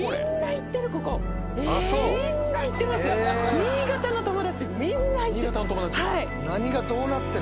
新潟の友達みんな行ってる。